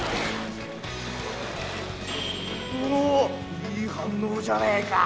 おおおいい反応じゃねェか。